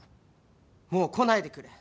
もう来ないでくれ。